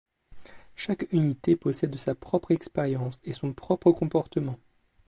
Chaque unité possède sa propre expérience et son propre comportement.